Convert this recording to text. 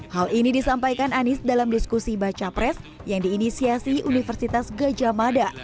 hal ini disampaikan anies dalam diskusi baca pres yang diinisiasi universitas gejamada